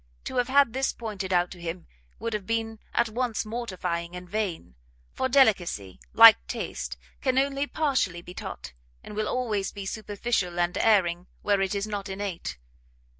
To have had this pointed out to him, would have been at once mortifying and vain; for delicacy, like taste, can only partially be taught, and will always be superficial and erring where it is not innate.